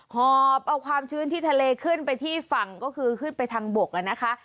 หอบเอาความชื้นที่ทะเลขึ้นไปที่ฝั่งก็คือขึ้นไปทางบกแล้วนะคะ